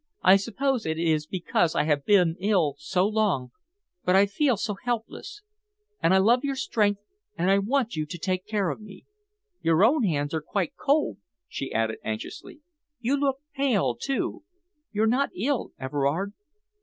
"I suppose it is because I have been ill so long, but I feel so helpless, and I love your strength and I want you to take care of me. Your own hands are quite cold," she added anxiously. "You look pale, too. You're not ill, Everard?"